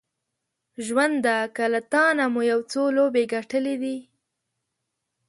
ژونده که له تانه مو یو څو لوبې ګټلې دي